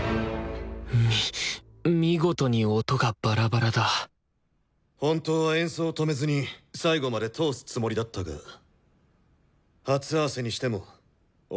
み見事に音がバラバラだ本当は演奏を止めずに最後まで通すつもりだったが初合わせにしても音の出始める瞬間